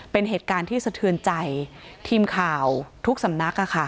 เป็นเหตุการณ์ที่สะเทือนใจทีมข่าวทุกสำนัก